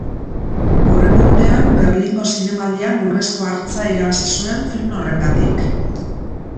Hurrengo urtean, Berlingo Zinemaldian Urrezko Hartza irabazi zuen film horrengatik.